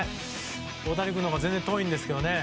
大谷君のほうが全然遠いんですけどね。